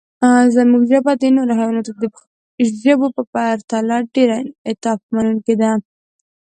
زموږ ژبه د نورو حیواناتو د ژبو په پرتله ډېر انعطافمنونکې ده.